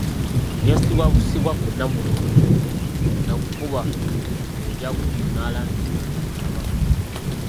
Yassibwa bussibwa ku Nnamulondo na kukuba ku Mujaguzo n'alangirirwa nti ye Kabaka.